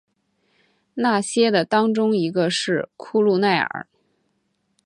那些的当中一个是库路耐尔。